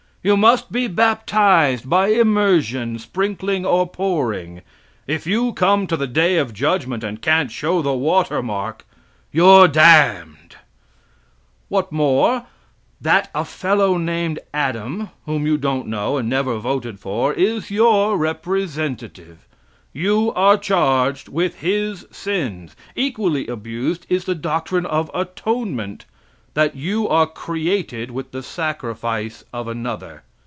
You must be baptized by immersion, sprinkling or pouring. If you come to the day of judgment and can't show the watermark, you're damned! What more: That a fellow named Adam, whom you don't know and never voted for, is your representative. You are charged with his sins. Equally abused is the doctrine of atonement, that you are created with the sacrifice of another.